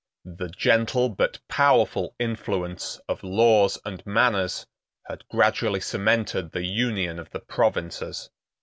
The gentle but powerful influence of laws and manners had gradually cemented the union of the provinces.